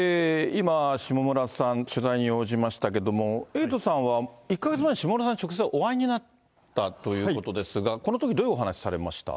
今、下村さん、取材に応じましたけども、エイトさんは、１か月前に下村さんに直接お会いになったということですが、このとき、どういうお話されました？